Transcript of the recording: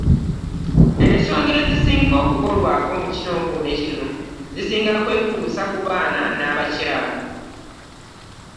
Ensonga ezisinga okukolwako mu kitongole kino zisinga kwekuusa ku baana n’abakyala.